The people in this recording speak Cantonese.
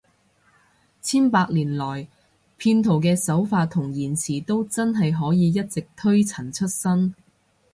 千百年來，騙徒嘅手法同言辭都真係可以一直推陳出新